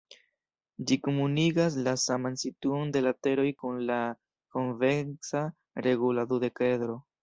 Ĝi komunigas la saman situon de lateroj kun la konveksa regula dudekedro.